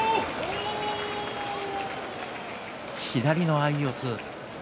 左の相四つ